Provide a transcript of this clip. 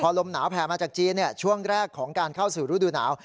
ลมหนาวแผ่มาจากจีนช่วงแรกของการเข้าสู่ฤดูหนาว